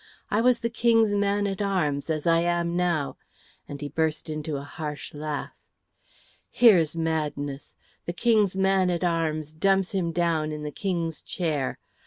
I was the King's man at arms, as I am now;" and he burst into a harsh laugh. "Here's madness! The King's man at arms dumps him down in the King's chair!